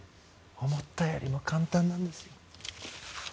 思ったよりも簡単なんです。